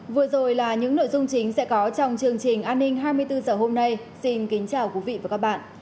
vừa rồi là những nội dung chính sẽ có trong chương trình an ninh hai mươi bốn h hôm nay xin kính chào quý vị và các bạn